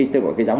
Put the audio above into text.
tức là cái giáo